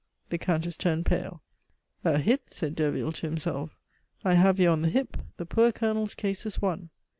The Countess turned pale. "A hit!" said Derville to himself. "I have you on the hip; the poor Colonel's case is won."